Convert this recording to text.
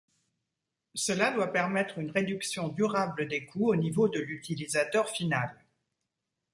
Cela doit permettre une réduction durable des coûts au niveau de l’utilisateur final.